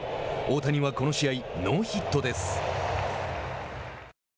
大谷はこの試合ノーヒットです。